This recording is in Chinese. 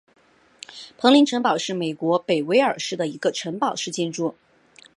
彭林城堡是英国北威尔士的一个城堡式建筑。